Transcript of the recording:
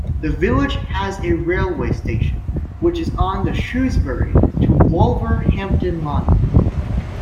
The village has a railway station, which is on the Shrewsbury to Wolverhampton Line.